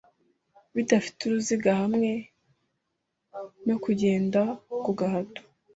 bidafite uruziga hamwe na Kugenda ku gahato